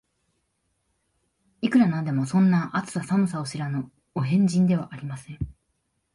いくら何でも、そんな、暑さ寒さを知らぬお変人ではありません